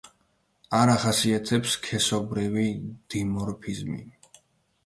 არ ახასიათებს სქესობრივი დიმორფიზმი.